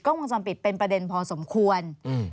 วงจรปิดเป็นประเด็นพอสมควร